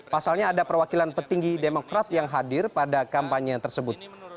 pasalnya ada perwakilan petinggi demokrat yang hadir pada kampanye tersebut